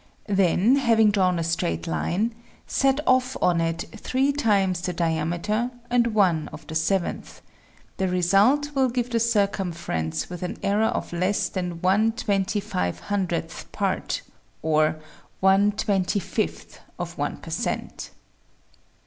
Then, having drawn a straight line, set off on it three times the diameter and one of the sevenths ; the result will give the circumference with an error of less than the one twenty five hundredth part or one twenty fifth of one per cent.